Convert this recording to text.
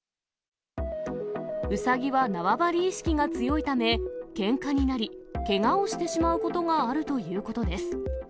ウサギは縄張り意識が強いため、けんかになり、けがをしてしまうことがあるということです。